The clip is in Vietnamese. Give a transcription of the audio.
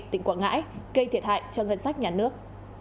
tỉnh quảng ngãi gây thiệt hại cho ngân sách nhà nước